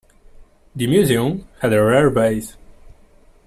The museum had a rare Vase.